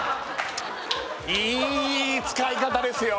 いい使い方ですよ